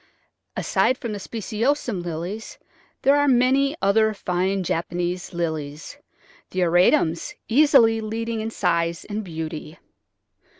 Aside from the speciosum Lilies there are many other fine Japanese Lilies, the auratums easily leading in size and beauty.